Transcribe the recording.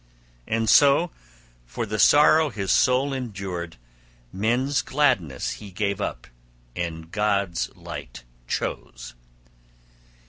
And so for the sorrow his soul endured, men's gladness he gave up and God's light chose.